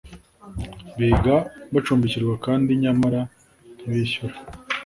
biga bacumbikirwa kandi nyamara ntibishyuye